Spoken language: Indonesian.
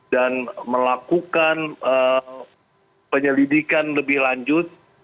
dan melakukan penyelidikan lebih lanjut